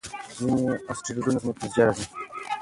ځینې اسټروېډونه ځمکې ته نږدې راځي.